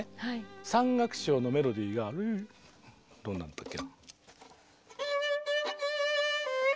３楽章のメロディーがどんなんだったっけ。